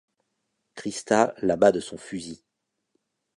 Christa l'abat de son fusil.